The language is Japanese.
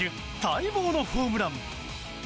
待望のホームラン！